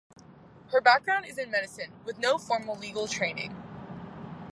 Her background is in medicine, with no formal legal training.